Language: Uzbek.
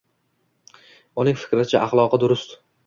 Uning fikricha, axloqi durust